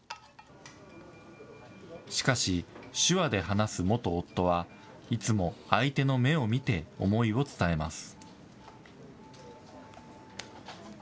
しかし、手話で話す元夫は、いつも相手の目を見て、思いを伝えます。